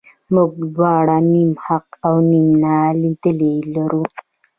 موږ دواړه نیم حق او نیم نالیدلي لرو.